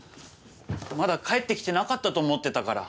まだ帰ってきてなかったと思ってたから。